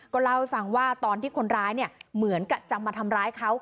ก็เล่าให้ฟังว่าตอนที่คนร้ายเนี่ยเหมือนกับจะมาทำร้ายเขา